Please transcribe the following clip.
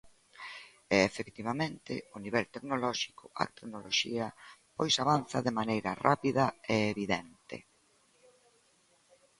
E, efectivamente, o nivel tecnolóxico, a tecnoloxía, pois avanza de maneira rápida e evidente.